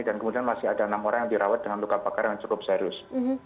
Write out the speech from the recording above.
dan kemudian masih ada enam orang yang dirawat dengan luka bakar yang cukup serius